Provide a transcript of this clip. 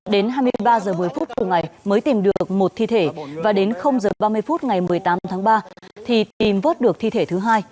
đến hai mươi ba h một mươi phút cùng ngày mới tìm được một thi thể và đến h ba mươi phút ngày một mươi tám tháng ba thì tìm vớt được thi thể thứ hai